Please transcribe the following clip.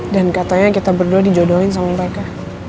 katanya kita berdua dijodohin sama mereka